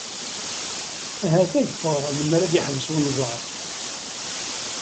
Ahat ad ffɣeɣ lemmer ad yeḥbes unẓar.